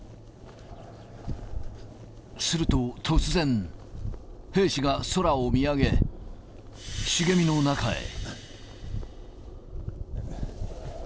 すると突然、兵士が空を見上げ、茂みの中へ。